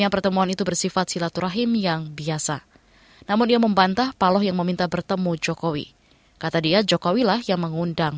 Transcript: pertama kali kita berkahwin